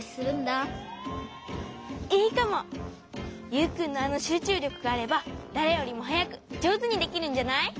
ユウくんのあのしゅうちゅうりょくがあればだれよりもはやくじょうずにできるんじゃない？